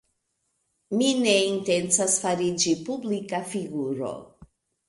Mi ne intencas fariĝi publika figuro.